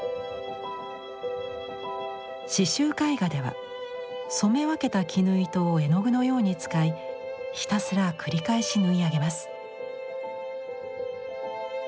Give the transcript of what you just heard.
刺繍絵画では染め分けた絹糸を絵の具のように使いひたすら繰り返し縫い上げます。